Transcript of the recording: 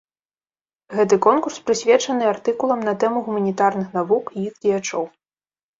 Гэты конкурс прысвечаны артыкулам на тэму гуманітарных навук і іх дзеячоў.